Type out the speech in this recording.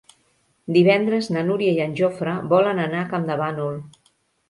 Divendres na Núria i en Jofre volen anar a Campdevànol.